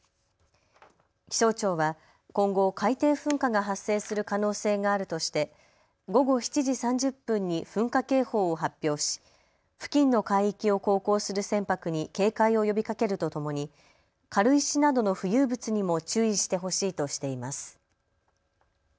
気象庁は今後、海底噴火が発生する可能性があるとして午後７時３０分に噴火警報を発表し付近の海域を航行する船舶に警戒を呼びかけるとともに軽石などの浮遊物にも注意してほしいとしています。